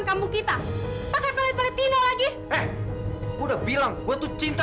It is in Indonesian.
sampai jumpa di video selanjutnya